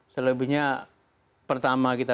selebihnya pertama kita